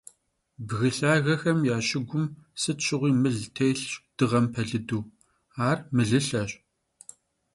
Bgı lhagexem ya şıgum sıt şığui mıl têlhş dığem pelıdu — ar mılılheş.